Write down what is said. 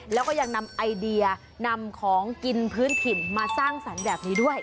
แล้วก็ยังนำไอเดียนำของกินพื้นถิ่นมาสร้างสรรค์แบบนี้ด้วย